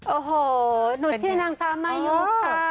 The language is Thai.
โอ้โหหนูชื่อนางฟ้ามายุค่ะ